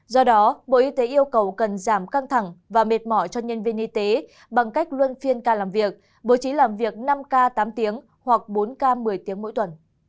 do đó bộ y tế yêu cầu cần giảm căng thẳng và mệt mỏi cho nhân viên y tế bằng cách luân phiên ca làm việc bố trí làm việc năm k tám tiếng hoặc bốn k một mươi tiếng mỗi tuần